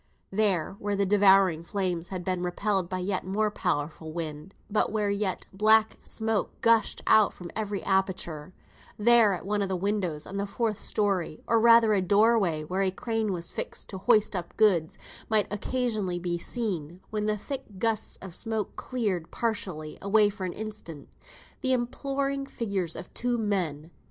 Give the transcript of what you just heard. There, where the devouring flames had been repelled by the yet more powerful wind, but where yet black smoke gushed out from every aperture, there, at one of the windows on the fourth story, or rather a doorway where a crane was fixed to hoist up goods, might occasionally be seen, when the thick gusts of smoke cleared partially away for an instant, the imploring figures of two men.